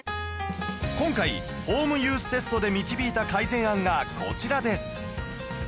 今回ホームユーステストで導いた改善案がこちらです